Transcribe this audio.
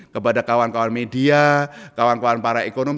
kepada kawan kawan media kawan kawan para ekonom